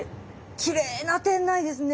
きれいな店内ですね。